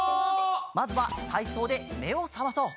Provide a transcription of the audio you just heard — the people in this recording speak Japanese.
まずはたいそうでめをさまそう。